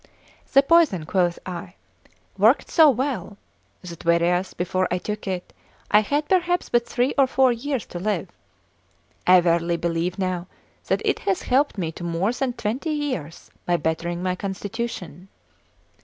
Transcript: "The poison," quoth I, "worked so well, that whereas, before I took it, I had perhaps but three or four years to live, I verily believe now that it has helped me to more than twenty years by bettering my constitution.